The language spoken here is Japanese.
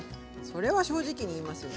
それは正直に言いますよ。